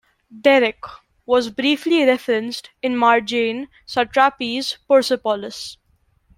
"Derrick" was briefly referenced in Marjane Satrapi's "Persepolis".